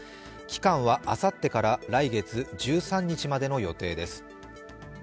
期間は、あさってから来月１３日までの予定です。